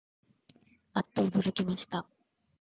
あっとおどろきました